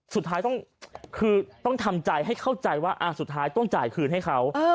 สุดท้ายต้องคือต้องทำใจให้เข้าใจว่าสุดท้ายต้องจ่ายคืนให้เขา